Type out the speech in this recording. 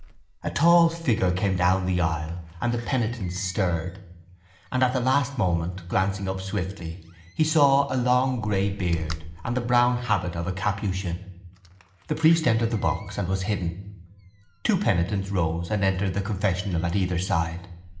A tall figure came down the aisle and the penitents stirred; and at the last moment, glancing up swiftly, he saw a long grey beard and the brown habit of a capuchin. The priest entered the box and was hidden. Two penitents rose and entered the confessional at either side.